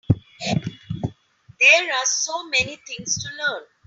There are so many things to learn.